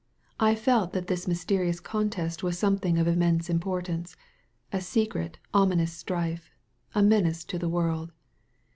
I felt that this mysterious contest was something of unmense importance; a secret, ominous strife; a menace to the world.